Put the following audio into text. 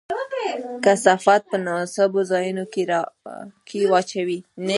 کثافات په مناسبو ځایونو کې واچوئ.